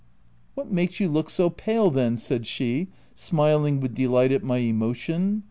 " What makes you look so pale then ?" said she, smiling with delight at my emotion.